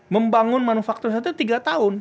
membangun manufaktur satu tiga tahun